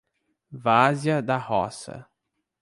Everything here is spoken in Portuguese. Várzea da Roça